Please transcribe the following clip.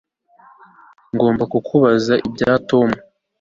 Ngomba kukubaza ibya Tom